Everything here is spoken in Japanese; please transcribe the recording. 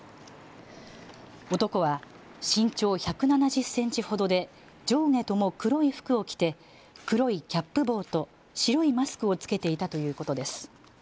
男は身長１７０センチほどで上下とも黒い服を着て黒いキャップ帽と白いマスクを着けていたということです。